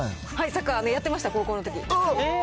サッカーやってました、高校のとき。